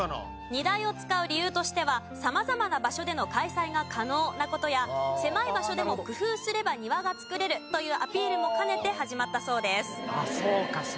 荷台を使う理由としては様々な場所での開催が可能な事や狭い場所でも工夫すれば庭が造れるというアピールも兼ねて始まったそうです。